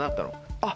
あっ。